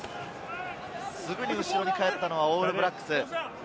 すぐに後ろに帰ったのはオールブラックス。